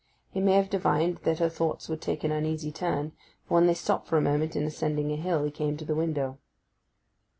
He may have divined that her thoughts would take an uneasy turn, for when they stopped for a moment in ascending a hill he came to the window.